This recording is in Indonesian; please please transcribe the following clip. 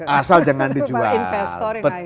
asal jangan dijual ke investor yang akhir